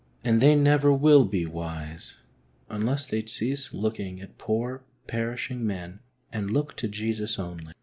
And they never will be wise unless they cease looking at poor, perishing men and look to Jesus only.